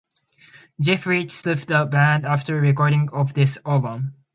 Jeff Rich left the band after recording of this album.